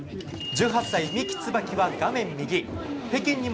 １８歳の三木つばきは画面右。